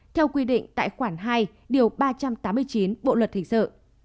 theo quy định tại khoản hai điều ba trăm tám mươi chín bộ luật hình sự